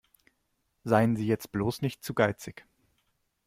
Seien Sie jetzt bloß nicht zu geizig.